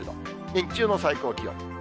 日中の最高気温。